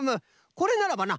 これならばな